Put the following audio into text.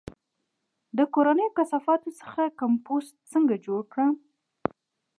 د کورنیو کثافاتو څخه کمپوسټ څنګه جوړ کړم؟